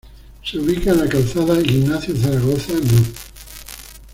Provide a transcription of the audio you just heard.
Se ubica en la Calzada Ignacio Zaragoza No.